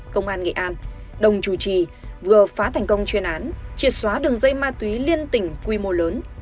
công an nghệ an đồng chủ trì vừa phá thành công chuyên án triệt xóa đường dây ma túy liên tỉnh quy mô lớn